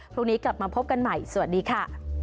พรุ่งนี้กลับมาพบกันใหม่สวัสดีค่ะ